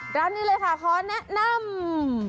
ร้านนี้เลยค่ะขอแนะนำ